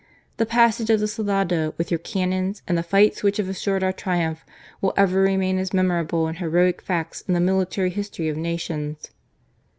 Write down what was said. The passage of the Salado with your cannons and the fights which have assured our triumph will ever remain as memorable and heroic facts in the military history of nations."